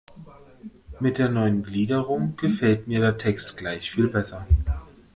Mit der neuen Gliederung gefällt mir der Text gleich viel besser.